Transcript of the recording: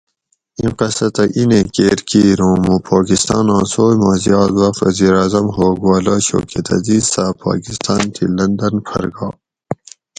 اِیں قصہ تہ اِیں نیں کیر کِیر اُوں مُوں پاکستاۤناۤں سوئ ما زیات وخت وزیراعظم ہوگ والہ شوکت عزیز صاۤب پاۤکستاۤن تھی لندن پھر گا